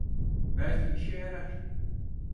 Belki işe yarar.